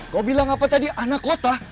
kau bilang apa tadi anak kota